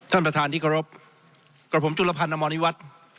ท่านประธานที่กรบกลับผมจุลภัณฑ์อมวัทย์